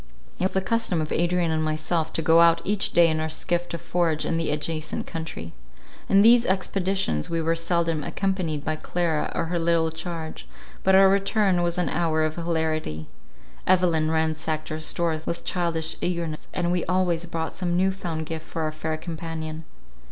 It was the custom of Adrian and myself to go out each day in our skiff to forage in the adjacent country. In these expeditions we were seldom accompanied by Clara or her little charge, but our return was an hour of hilarity. Evelyn ransacked our stores with childish eagerness, and we always brought some new found gift for our fair companion.